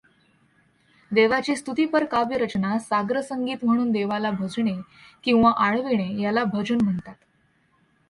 देवाची स्तुतिपर काव्यरचना साग्रसंगीत म्हणून देवाला भजणे किंवा आळविणे याला भजन म्हणतात.